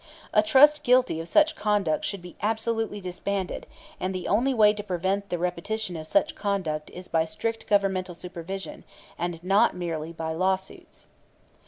A Trust guilty of such conduct should be absolutely disbanded, and the only way to prevent the repetition of such conduct is by strict Government supervision, and not merely by lawsuits.